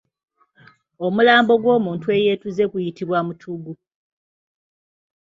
Omulambo gw’omuntu eyeetuze guyitibwa omutugu.